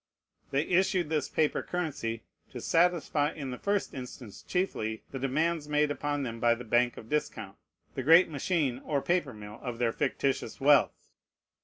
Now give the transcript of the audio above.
They issued this paper currency to satisfy in the first instance chiefly the demands made upon them by the bank of discount, the great machine or paper mill of their fictitious wealth.